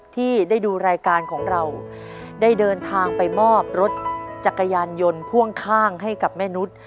ที่ได้ดูรายการของเราได้เดินทางไปมอบรถจักรยานยนต์พ่วงข้างให้กับแม่นุษย์